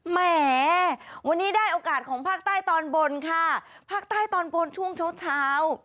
แหมวันนี้ได้โอกาสของภาคใต้ตอนบนค่ะภาคใต้ตอนบนช่วงเช้าเช้า